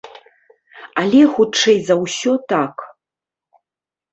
Але, хутчэй за ўсё, так.